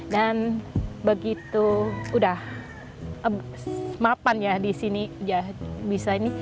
dan begitu udah semapan ya disini bisa ini